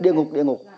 địa ngục địa ngục